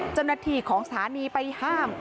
จนดาทีของสถานีไปห้าม